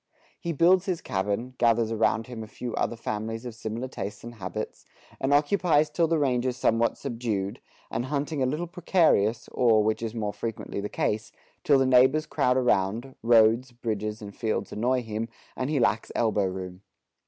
He builds his cabin, gathers around him a few other families of similar tastes and habits, and occupies till the range is somewhat subdued, and hunting a little precarious, or, which is more frequently the case, till the neighbors crowd around, roads, bridges, and fields annoy him, and he lacks elbow room.